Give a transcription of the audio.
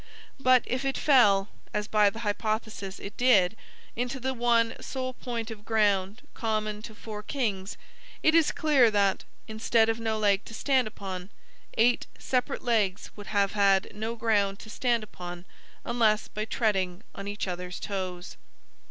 But, if it fell (as by the hypothesis it did) into the one sole point of ground common to four kings, it is clear that, instead of no leg to stand upon, eight separate legs would have had no ground to stand upon unless by treading on each other's toes.